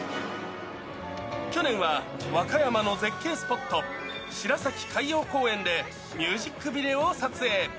去年は和歌山の絶景スポット、白崎海洋公園で、ミュージックビデオを撮影。